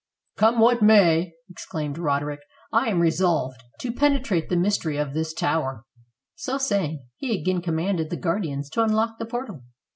"Come what come may," exclaimed Roderick, "I am resolved to penetrate the mystery of this tower." So saying, he again commanded the guardians to unlock the portal.